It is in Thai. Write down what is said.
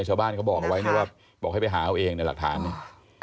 ชาวบ้านเขาบอกไว้บอกให้ไปหาเอาเองในหลักฐานนี้